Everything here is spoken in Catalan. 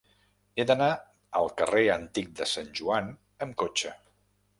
He d'anar al carrer Antic de Sant Joan amb cotxe.